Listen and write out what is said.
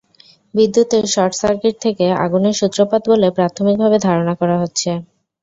বিদ্যুতের short circuit থেকে আগুনের সূত্রপাত বলে প্রাথমিকভাবে ধারণা করা হচ্ছে।